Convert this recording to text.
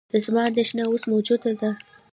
زما اندېښنه اوس موجوده ده.